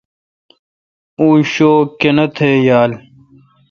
اوں شوک کینتھ یال۔